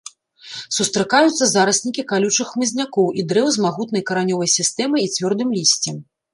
Сустракаюцца зараснікі калючых хмызнякоў і дрэў з магутнай каранёвай сістэмай і цвёрдым лісцем.